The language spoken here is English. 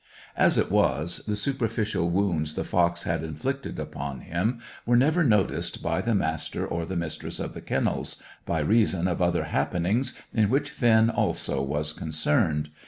As it was, the superficial wounds the fox had inflicted upon him were never noticed by the Master or the Mistress of the Kennels, by reason of other happenings in which Finn also was concerned.